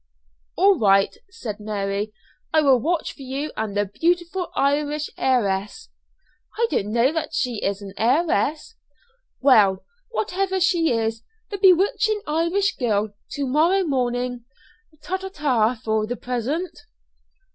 "All right," said Mary. "I will watch for you and the beautiful Irish heiress " "I don't know that she is an heiress." "Well, whatever she is the bewitching Irish girl to morrow morning. Ta ta for the present."